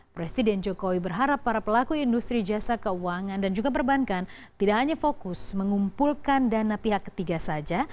presiden jokowi berharap para pelaku industri jasa keuangan dan juga perbankan tidak hanya fokus mengumpulkan dana pihak ketiga saja